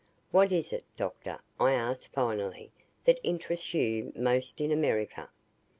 "What is it, Doctor," I asked finally, "that interests you most in America?"